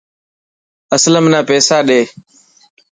اسلم نا پيسا ڏي.